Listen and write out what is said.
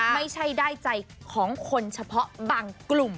ไม่ใช่ได้ใจของคนเฉพาะบางกลุ่ม